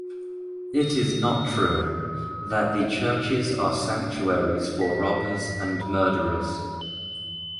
It is not true, that the churches are sanctuaries for robbers and murderers.